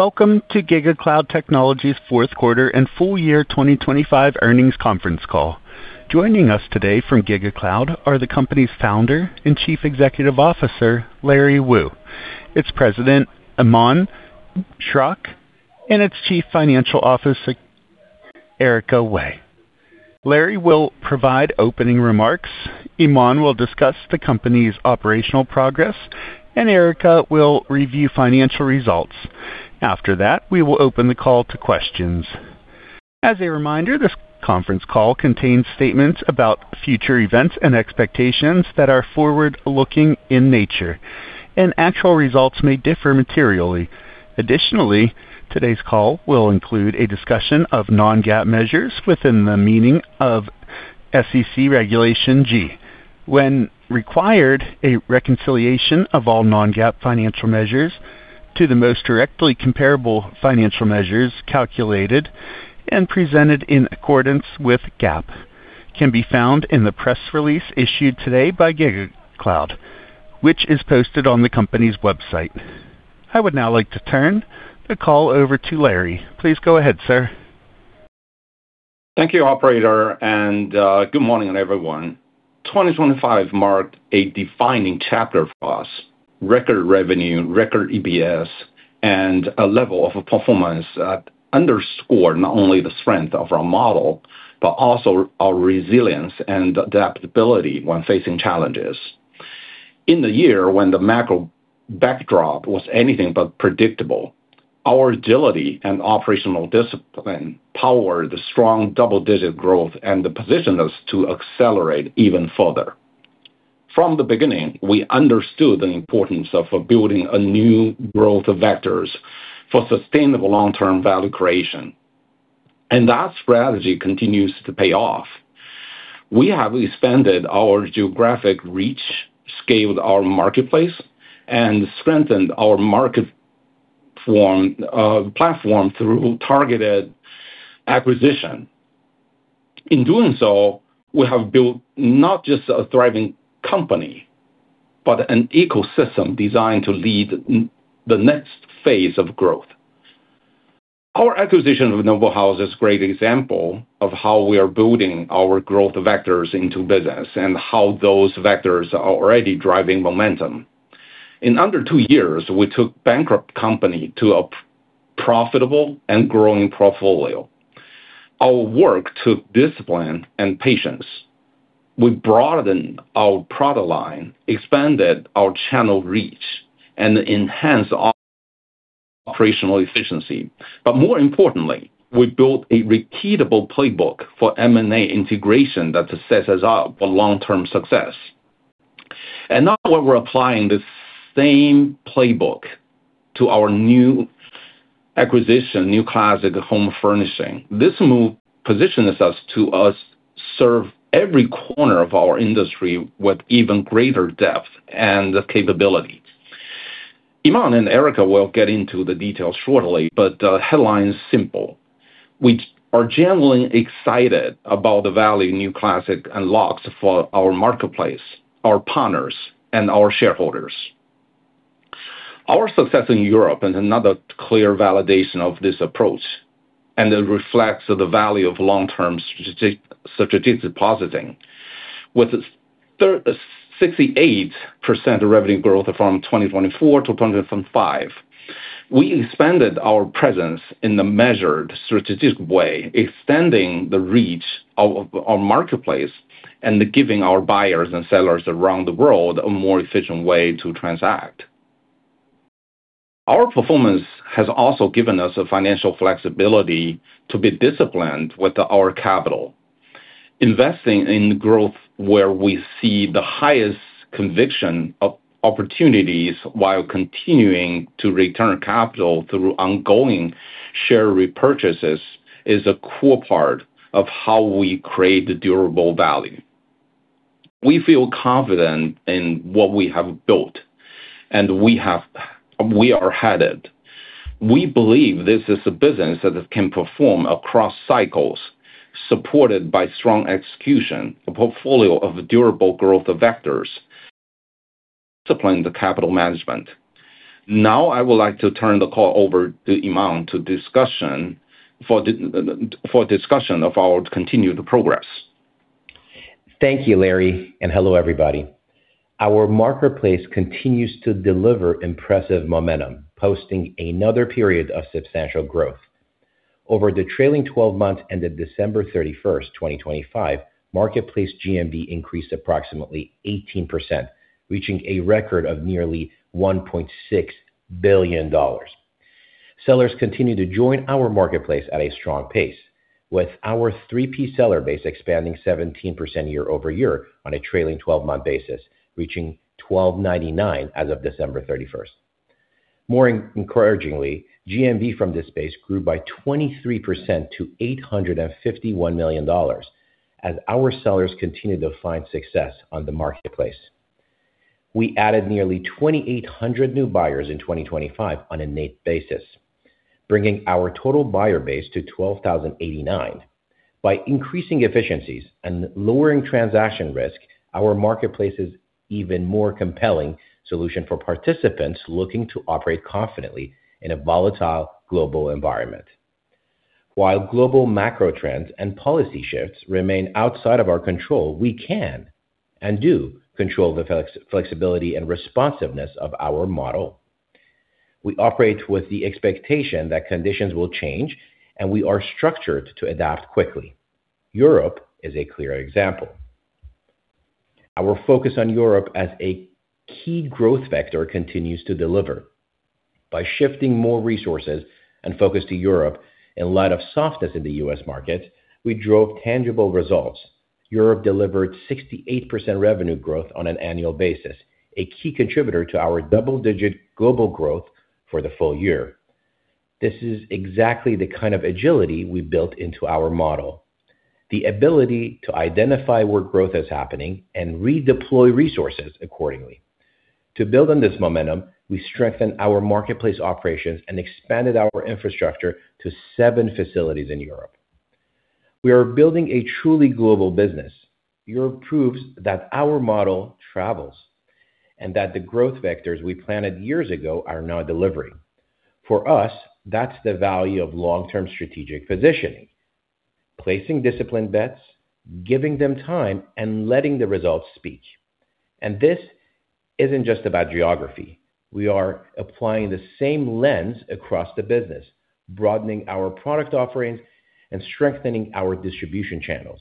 Welcome to GigaCloud Technology's fourth quarter and full year 2025 earnings conference call. Joining us today from GigaCloud are the company's Founder and Chief Executive Officer, Larry Wu, its President, Iman Schrock, and its Chief Financial Officer, Erica Wei. Larry will provide opening remarks, Iman will discuss the company's operational progress. Erica will review financial results. After that, we will open the call to questions. As a reminder, this conference call contains statements about future events and expectations that are forward-looking in nature. Actual results may differ materially. Additionally, today's call will include a discussion of non-GAAP measures within the meaning of SEC Regulation G. When required, a reconciliation of all non-GAAP financial measures to the most directly comparable financial measures, calculated and presented in accordance with GAAP, can be found in the press release issued today by GigaCloud, which is posted on the company's website. I would now like to turn the call over to Larry. Please go ahead, sir. Thank you, Operator, good morning, everyone. 2025 marked a defining chapter for us. Record revenue, record EPS, and a level of performance that underscore not only the strength of our model, but also our resilience and adaptability when facing challenges. In the year when the macro backdrop was anything but predictable, our agility and operational discipline powered the strong double-digit growth and the position us to accelerate even further. From the beginning, we understood the importance of building a new growth vectors for sustainable long-term value creation, that strategy continues to pay off. We have expanded our geographic reach, scaled our marketplace, and strengthened our platform through targeted acquisition. In doing so, we have built not just a thriving company, but an ecosystem designed to lead the next phase of growth. Our acquisition of Noble House is a great example of how we are building our growth vectors into business and how those vectors are already driving momentum. In under two years, we took bankrupt company to a profitable and growing portfolio. Our work took discipline and patience. We broadened our product line, expanded our channel reach, and enhanced our operational efficiency. More importantly, we built a repeatable playbook for M&A integration that sets us up for long-term success. Now we're applying the same playbook to our new acquisition, New Classic Home Furnishings. This move positions us to serve every corner of our industry with even greater depth and capability. Iman and Erica will get into the details shortly, but the headline is simple: We are genuinely excited about the value New Classic unlocks for our marketplace, our partners, and our shareholders. Our success in Europe is another clear validation of this approach, and it reflects the value of long-term strategic positioning. With 68% revenue growth from 2024 to 2025, we expanded our presence in a measured, strategic way, extending the reach of our marketplace and giving our buyers and sellers around the world a more efficient way to transact. Our performance has also given us the financial flexibility to be disciplined with our capital. Investing in growth where we see the highest conviction of opportunities while continuing to return capital through ongoing share repurchases, is a core part of how we create durable value. We feel confident in what we have built, and we are headed. We believe this is a business that can perform across cycles, supported by strong execution, a portfolio of durable growth vectors, supplying the capital management. Now, I would like to turn the call over to Iman, for discussion of our continued progress. Thank you, Larry. Hello, everybody. Our marketplace continues to deliver impressive momentum, posting another period of substantial growth. Over the trailing 12 months ended December 31st, 2025, marketplace GMV increased approximately 18%, reaching a record of nearly $1.6 billion. Sellers continue to join our marketplace at a strong pace, with our 3P seller base expanding 17% year-over-year on a trailing 12-month basis, reaching 1,299 as of December 31st. More encouragingly, GMV from this space grew by 23% to $851 million, as our sellers continued to find success on the marketplace. We added nearly 2,800 new buyers in 2025 on a net basis, bringing our total buyer base to 12,089. By increasing efficiencies and lowering transaction risk, our marketplace is even more compelling solution for participants looking to operate confidently in a volatile global environment. While global macro trends and policy shifts remain outside of our control, we can and do control the flexibility and responsiveness of our model. We operate with the expectation that conditions will change, and we are structured to adapt quickly. Europe is a clear example. Our focus on Europe as a key growth vector continues to deliver. By shifting more resources and focus to Europe, in light of softness in the U.S. market, we drove tangible results. Europe delivered 68% revenue growth on an annual basis, a key contributor to our double-digit global growth for the full year. This is exactly the kind of agility we built into our model. The ability to identify where growth is happening and redeploy resources accordingly. To build on this momentum, we strengthened our marketplace operations and expanded our infrastructure to 7 facilities in Europe. We are building a truly global business. Europe proves that our model travels, and that the growth vectors we planted years ago are now delivering. For us, that's the value of long-term strategic positioning, placing disciplined bets, giving them time, and letting the results speak. This isn't just about geography. We are applying the same lens across the business, broadening our product offerings, and strengthening our distribution channels.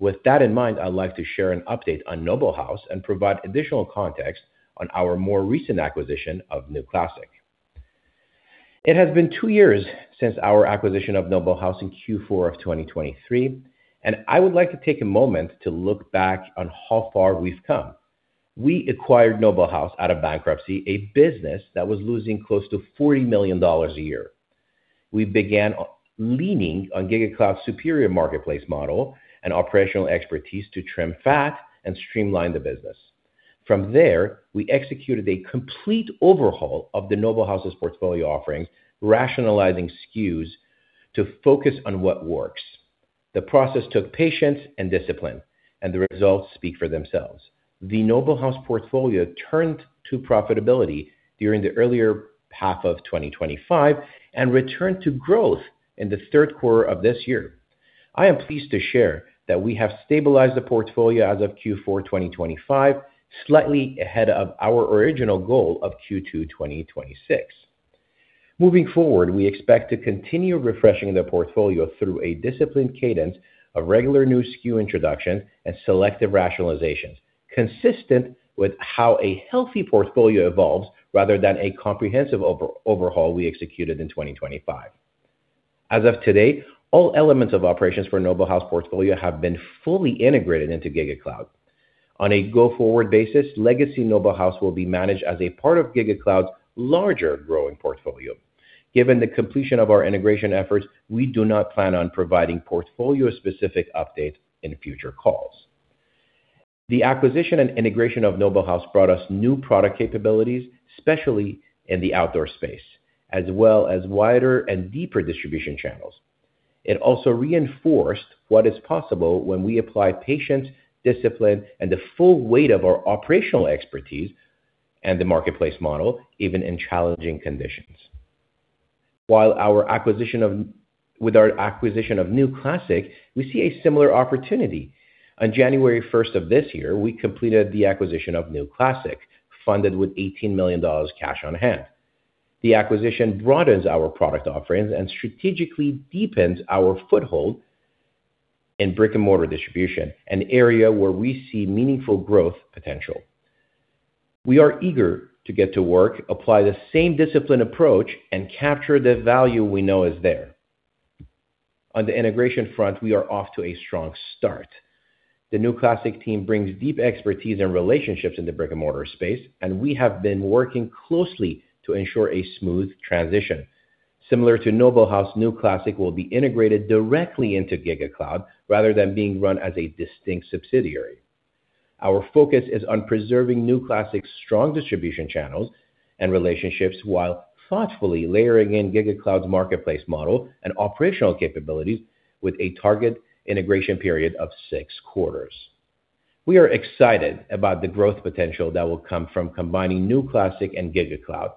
With that in mind, I'd like to share an update on Noble House and provide additional context on our more recent acquisition of New Classic. It has been 2 years since our acquisition of Noble House in Q4 of 2023, and I would like to take a moment to look back on how far we've come. We acquired Noble House out of bankruptcy, a business that was losing close to $40 million a year. We began leaning on GigaCloud's superior marketplace model and operational expertise to trim fat and streamline the business. From there, we executed a complete overhaul of the Noble House's portfolio offerings, rationalizing SKUs to focus on what works. The process took patience and discipline, and the results speak for themselves. The Noble House portfolio turned to profitability during the earlier half of 2025 and returned to growth in the third quarter of this year. I am pleased to share that we have stabilized the portfolio as of Q4 2025, slightly ahead of our original goal of Q2 2026. Moving forward, we expect to continue refreshing the portfolio through a disciplined cadence of regular new SKU introduction and selective rationalizations, consistent with how a healthy portfolio evolves rather than a comprehensive overhaul we executed in 2025. As of today, all elements of operations for Noble House portfolio have been fully integrated into GigaCloud. On a go-forward basis, legacy Noble House will be managed as a part of GigaCloud's larger growing portfolio. Given the completion of our integration efforts, we do not plan on providing portfolio-specific updates in future calls. The acquisition and integration of Noble House brought us new product capabilities, especially in the outdoor space, as well as wider and deeper distribution channels. It also reinforced what is possible when we apply patience, discipline, and the full weight of our operational expertise and the marketplace model, even in challenging conditions. With our acquisition of New Classic, we see a similar opportunity. On January 1 of this year, we completed the acquisition of New Classic, funded with $18 million cash on hand. The acquisition broadens our product offerings and strategically deepens our foothold in brick-and-mortar distribution, an area where we see meaningful growth potential. We are eager to get to work, apply the same disciplined approach, and capture the value we know is there. On the integration front, we are off to a strong start. The New Classic team brings deep expertise and relationships in the brick-and-mortar space, and we have been working closely to ensure a smooth transition. Similar to Noble House, New Classic will be integrated directly into GigaCloud rather than being run as a distinct subsidiary. Our focus is on preserving New Classic's strong distribution channels and relationships, while thoughtfully layering in GigaCloud's marketplace model and operational capabilities with a target integration period of six quarters. We are excited about the growth potential that will come from combining New Classic and GigaCloud.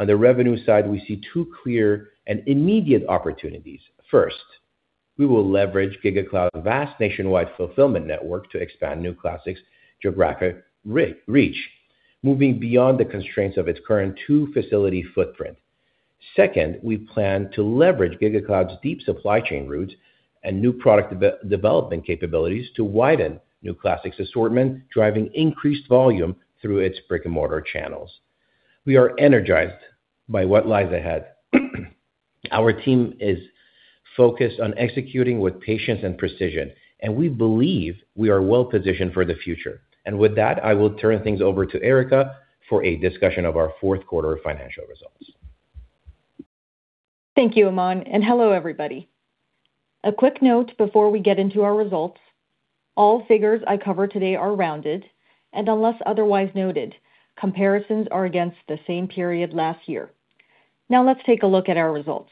On the revenue side, we see two clear and immediate opportunities. First, we will leverage GigaCloud's vast nationwide fulfillment network to expand New Classic's geographic re-reach, moving beyond the constraints of its current two-facility footprint. Second, we plan to leverage GigaCloud's deep supply chain routes and new product development capabilities to widen New Classic's assortment, driving increased volume through its brick-and-mortar channels. We are energized by what lies ahead. Our team is focused on executing with patience and precision, and we believe we are well positioned for the future. With that, I will turn things over to Erica for a discussion of our fourth quarter financial results. Thank you, Iman, and hello, everybody. A quick note before we get into our results. All figures I cover today are rounded, and unless otherwise noted, comparisons are against the same period last year. Now let's take a look at our results.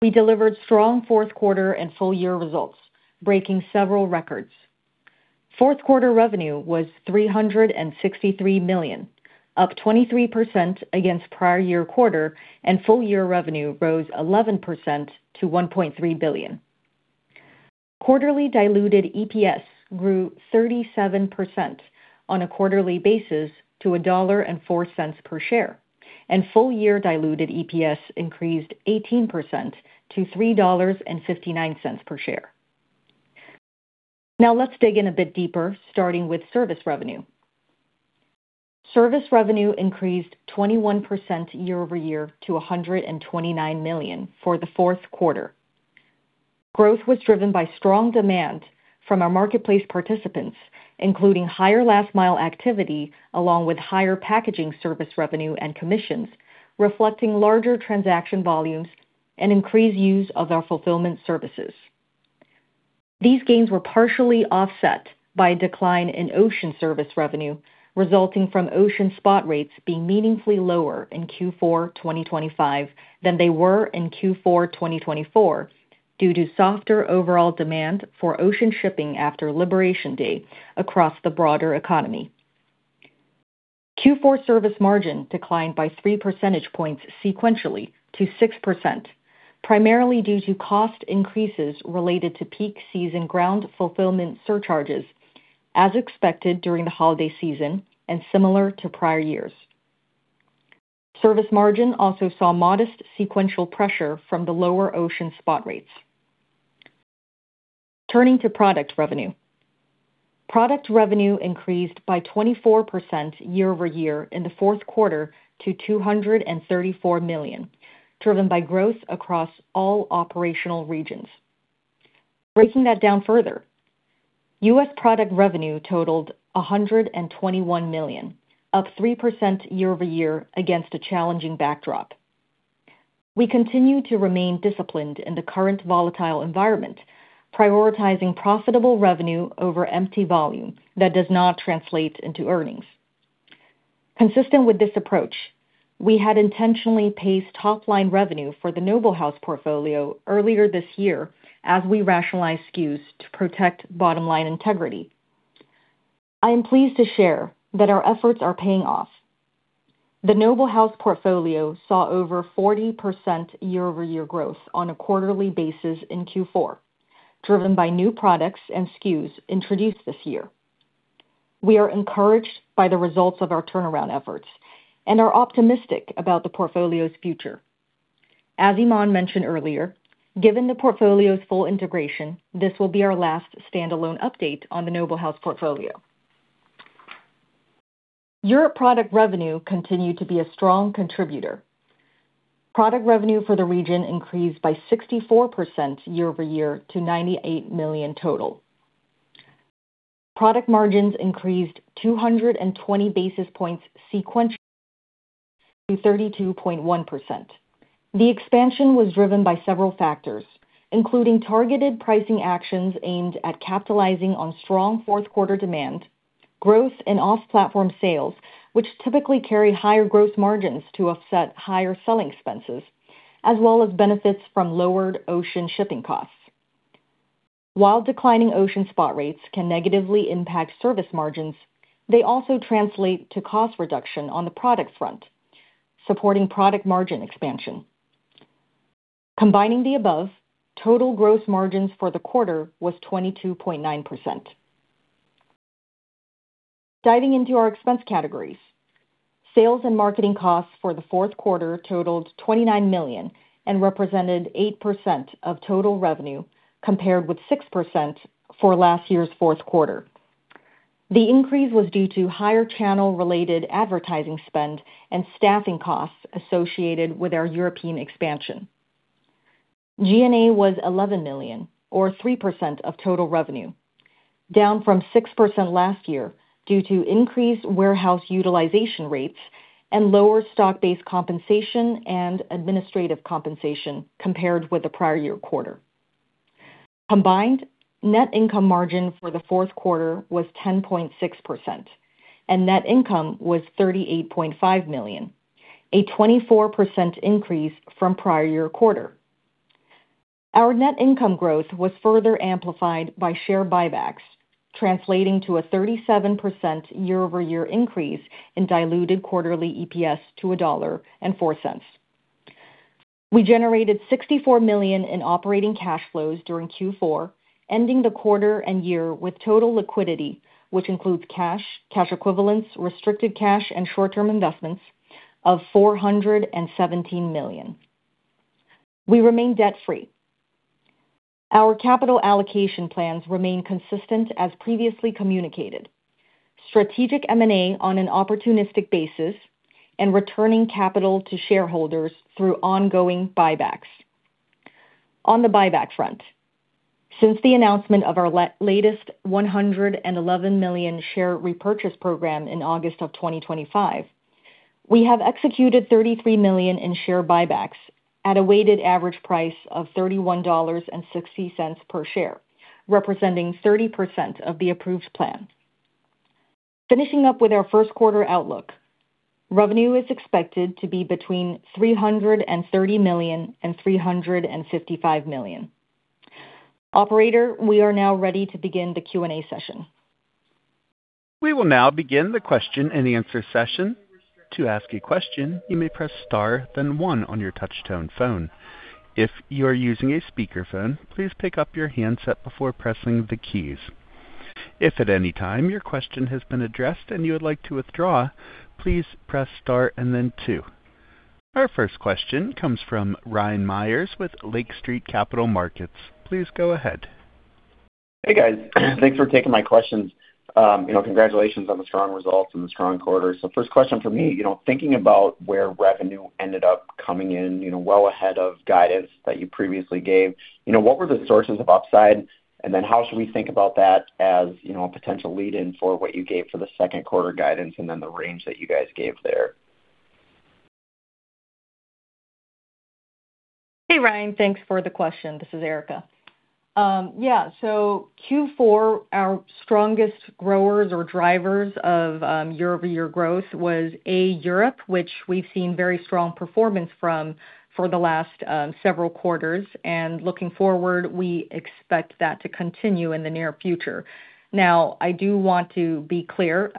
We delivered strong fourth quarter and full year results, breaking several records. Fourth quarter revenue was $363 million, up 23% against prior year quarter, and full year revenue rose 11% to $1.3 billion. Quarterly diluted EPS grew 37% on a quarterly basis to $1.04 per share, and full year diluted EPS increased 18% to $3.59 per share. Now let's dig in a bit deeper, starting with service revenue. Service revenue increased 21% year-over-year to $129 million for the fourth quarter. Growth was driven by strong demand from our marketplace participants, including higher last mile activity, along with higher packaging service revenue and commissions, reflecting larger transaction volumes and increased use of our fulfillment services. These gains were partially offset by a decline in ocean service revenue, resulting from ocean spot rates being meaningfully lower in Q4 2025 than they were in Q4 2024, due to softer overall demand for ocean shipping after Labor Day across the broader economy. Q4 service margin declined by three percentage points sequentially to 6%, primarily due to cost increases related to peak season ground fulfillment surcharges, as expected during the holiday season and similar to prior years. Service margin also saw modest sequential pressure from the lower ocean spot rates. Turning to product revenue. Product revenue increased by 24% year-over-year in the fourth quarter to $234 million, driven by growth across all operational regions. Breaking that down further, U.S. product revenue totaled $121 million, up 3% year-over-year against a challenging backdrop. We continue to remain disciplined in the current volatile environment, prioritizing profitable revenue over empty volume that does not translate into earnings. Consistent with this approach, we had intentionally paced top-line revenue for the Noble House portfolio earlier this year as we rationalize SKUs to protect bottom-line integrity. I am pleased to share that our efforts are paying off. The Noble House portfolio saw over 40% year-over-year growth on a quarterly basis in Q4, driven by new products and SKUs introduced this year. We are encouraged by the results of our turnaround efforts and are optimistic about the portfolio's future. As Iman mentioned earlier, given the portfolio's full integration, this will be our last standalone update on the Noble House portfolio. Europe product revenue continued to be a strong contributor. Product revenue for the region increased by 64% year-over-year to $98 million total. Product margins increased 220 basis points sequentially to 32.1%. The expansion was driven by several factors, including targeted pricing actions aimed at capitalizing on strong fourth quarter demand, growth in off-platform sales, which typically carry higher growth margins to offset higher selling expenses, as well as benefits from lowered ocean shipping costs. While declining ocean spot rates can negatively impact service margins, they also translate to cost reduction on the product front, supporting product margin expansion. Combining the above, total gross margins for the quarter was 22.9%. Diving into our expense categories. Sales and marketing costs for the fourth quarter totaled $29 million and represented 8% of total revenue, compared with 6% for last year's fourth quarter. The increase was due to higher channel-related advertising spend and staffing costs associated with our European expansion. G&A was $11 million, or 3% of total revenue, down from 6% last year due to increased warehouse utilization rates and lower stock-based compensation and administrative compensation compared with the prior year quarter. Combined, net income margin for the fourth quarter was 10.6% and net income was $38.5 million, a 24% increase from prior year quarter. Our net income growth was further amplified by share buybacks, translating to a 37% year-over-year increase in diluted quarterly EPS to $1.04. We generated $64 million in operating cash flows during Q4, ending the quarter and year with total liquidity, which includes cash equivalents, restricted cash, and short-term investments of $417 million. We remain debt-free. Our capital allocation plans remain consistent as previously communicated. Strategic M&A on an opportunistic basis and returning capital to shareholders through ongoing buybacks. On the buyback front, since the announcement of our latest $111 million share repurchase program in August of 2025, we have executed $33 million in share buybacks at a weighted average price of $31.60 per share, representing 30% of the approved plan. Finishing up with our first quarter outlook. Revenue is expected to be between $330 million-$355 million. Operator, we are now ready to begin the Q&A session. We will now begin the question-and-answer session. To ask a question, you may press star, then one on your touchtone phone. If you are using a speakerphone, please pick up your handset before pressing the keys. If at any time your question has been addressed and you would like to withdraw, please press star and then two. Our first question comes from Ryan Meyers with Lake Street Capital Markets. Please go ahead. Hey, guys. Thanks for taking my questions. You know, congratulations on the strong results and the strong quarter. First question for me, you know, thinking about where revenue ended up coming in, you know, well ahead of guidance that you previously gave, you know, what were the sources of upside? How should we think about that as, you know, a potential lead in for what you gave for the second quarter guidance and then the range that you guys gave there? Hey, Ryan. Thanks for the question. This is Erica. Yeah, Q4, our strongest growers or drivers of year-over-year growth was, A, Europe, which we've seen very strong performance from for the last several quarters, and looking forward, we expect that to continue in the near future. Now, I do want to be clear,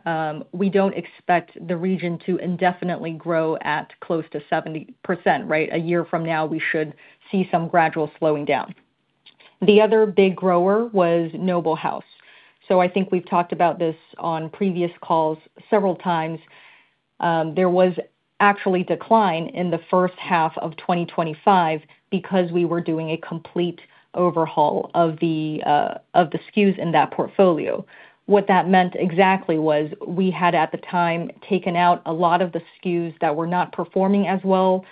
we don't expect the region to indefinitely grow at close to 70%, right? A year from now, we should see some gradual slowing down. The other big grower was Noble House. I think we've talked about this on previous calls several times. There was actually decline in the first half of 2025 because we were doing a complete overhaul of the SKUs in that portfolio. What that meant exactly was we had, at the time, taken out a lot of the SKUs that were not performing as well,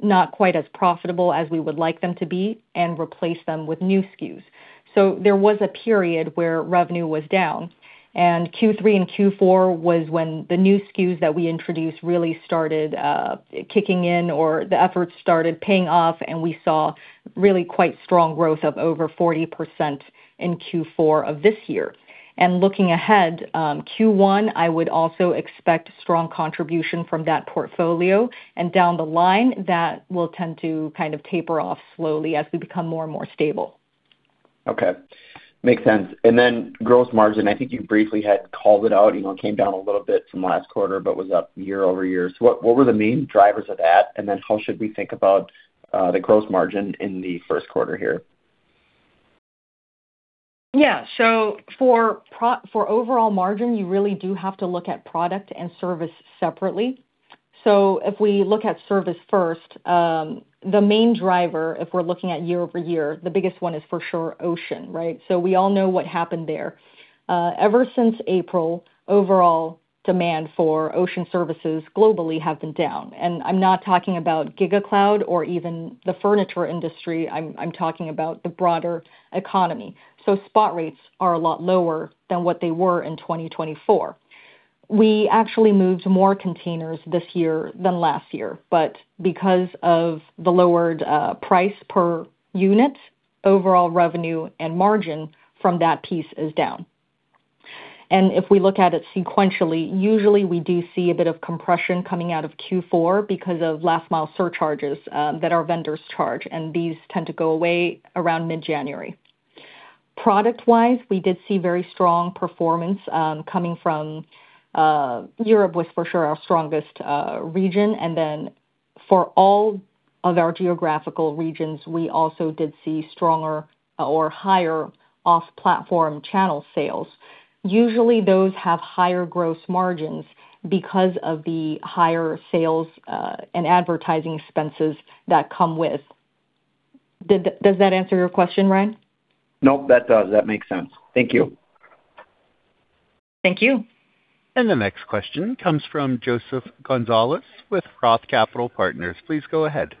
not quite as profitable as we would like them to be, and replaced them with new SKUs. There was a period where revenue was down, and Q3 and Q4 was when the new SKUs that we introduced really started kicking in or the efforts started paying off, and we saw really quite strong growth of over 40% in Q4 of this year. Looking ahead, Q1, I would also expect strong contribution from that portfolio and down the line, that will tend to kind of taper off slowly as we become more and more stable. Okay, makes sense. Gross margin, I think you briefly had called it out, you know, it came down a little bit from last quarter, but was up year-over-year. What were the main drivers of that? How should we think about the gross margin in the first quarter here? For overall margin, you really do have to look at product and service separately. If we look at service first, the main driver, if we are looking at year-over-year, the biggest one is for sure ocean, right? We all know what happened there. Ever since April, overall demand for ocean services globally have been down, and I'm not talking about GigaCloud or even the furniture industry. I'm talking about the broader economy. Spot rates are a lot lower than what they were in 2024. We actually moved more containers this year than last year, but because of the lowered price per unit, overall revenue and margin from that piece is down. If we look at it sequentially, usually we do see a bit of compression coming out of Q4 because of last mile surcharges, that our vendors charge, and these tend to go away around mid-January. Product-wise, we did see very strong performance, coming from Europe, was for sure our strongest region. Then for all of our geographical regions, we also did see stronger or higher off-platform channel sales. Usually, those have higher gross margins because of the higher sales and advertising expenses that come with. Does that answer your question, Ryan? Nope, that does. That makes sense. Thank you. Thank you. The next question comes from Joseph Gonzalez with Roth Capital Partners. Please go ahead.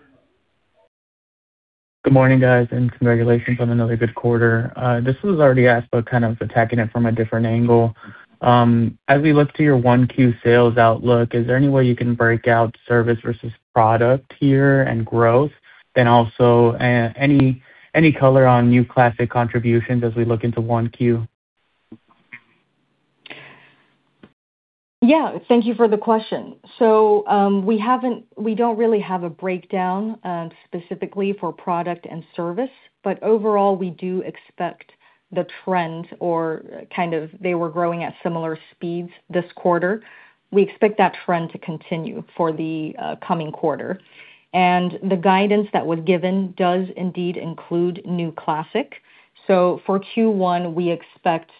Good morning, guys, and congratulations on another good quarter. This was already asked, but kind of attacking it from a different angle. As we look to your Q1 sales outlook, is there any way you can break out service versus product here and growth? Also, any color on New Classic contributions as we look into Q1? Yeah, thank you for the question. We don't really have a breakdown specifically for product and service, but overall, we do expect the trend or kind of they were growing at similar speeds this quarter. We expect that trend to continue for the coming quarter, and the guidance that was given does indeed include New Classic. For Q1, we expect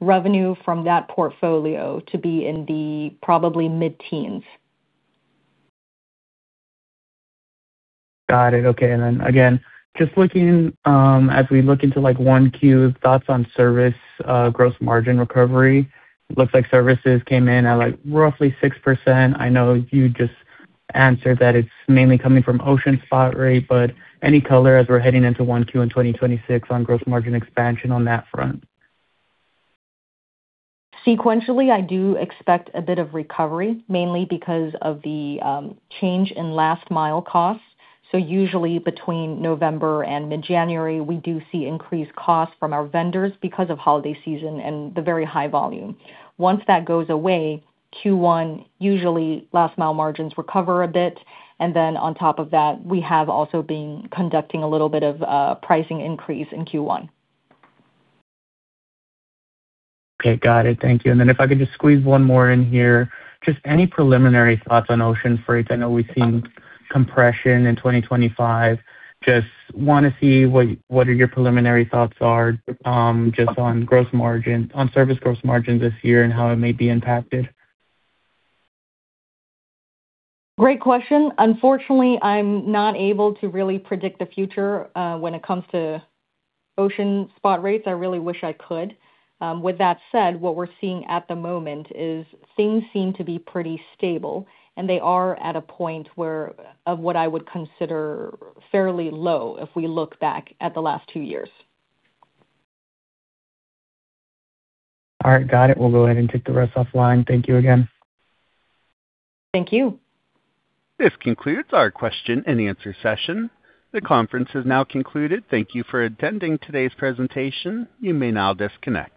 revenue from that portfolio to be in the probably mid-teens. Got it. Okay. Again, just looking, as we look into like Q1, thoughts on service gross margin recovery. Looks like services came in at, like, roughly 6%. I know you just answered that it's mainly coming from ocean spot rate, any color as we're heading into Q1 in 2026 on gross margin expansion on that front? Sequentially, I do expect a bit of recovery, mainly because of the change in last mile costs. Usually between November and mid-January, we do see increased costs from our vendors because of holiday season and the very high volume. Once that goes away, Q1, usually last mile margins recover a bit, and then on top of that, we have also been conducting a little bit of pricing increase in Q1. Okay, got it. Thank you. If I could just squeeze one more in here. Just any preliminary thoughts on ocean freight? I know we've seen compression in 2025. Just want to see what are your preliminary thoughts are, just on gross margin, on service gross margin this year and how it may be impacted. Great question. Unfortunately, I'm not able to really predict the future when it comes to ocean spot rates. I really wish I could. With that said, what we're seeing at the moment is things seem to be pretty stable, and they are at a point where, of what I would consider fairly low if we look back at the last two years. All right. Got it. We'll go ahead and take the rest offline. Thank you again. Thank you. This concludes our question-and-answer session. The conference is now concluded. Thank you for attending today's presentation. You may now disconnect.